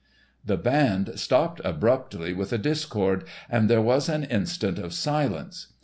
The band stopped abruptly with a discord, and there was an instant of silence.